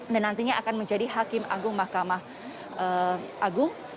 dan nantinya akan menjadi hakim agung mahkamah agung